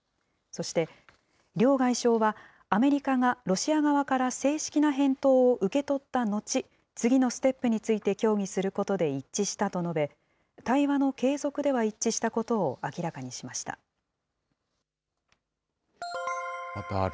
そして、両外相は、アメリカがロシア側から正式な返答を受け取った後、次のステップについて協議することで一致したと述べ、対話の継続では一致したことを明らかにしました。